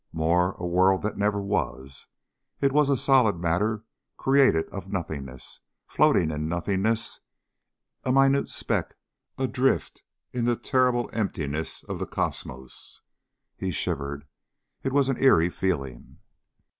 More, a world that never was. It was solid matter created of nothingness, floating in nothingness, a minute speck adrift in the terrible emptiness of the cosmos. He shivered. It was an eery feeling.